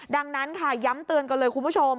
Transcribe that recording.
ดังนั้นค่ะย้ำเตือนกันเลยคุณผู้ชม